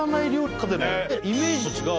イメージと違う。